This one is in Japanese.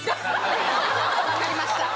分かりました。